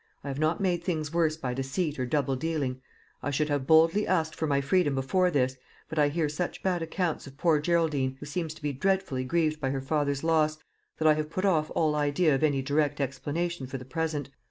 I have not made things worse by deceit or double dealing. I should have boldly asked for my freedom before this, but I hear such bad accounts of poor Geraldine, who seems to be dreadfully grieved by her father's loss, that I have put off all idea of any direct explanation for the present.